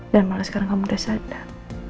dan malah sekarang kamu udah sadar